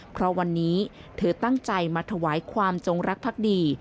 เพราะวันนี้เธอตั้งใจมาถวายความจงรักภักดี